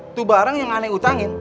itu barang yang aneh utangin